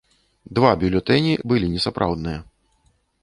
Два бюлетэні былі несапраўдныя.